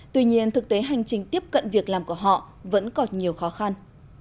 tuy nhiên thực tế hành trình tiếp cận việc làm của họ vẫn còn nhiều khó khăn